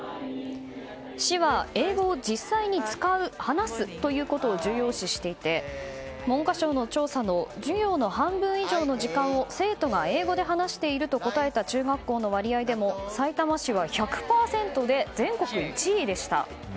市は、英語を実際に使う・話すということを重要視していて文科省の調査の授業の半分以上の時間を生徒が英語で話していると答えた中学校の割合でもさいたま市は１００％で全国１位でした。